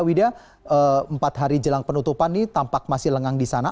wida empat hari jelang penutupan ini tampak masih lengang di sana